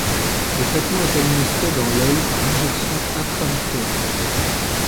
Le traitement est administré dans l’œil par injection intra-vitréenne.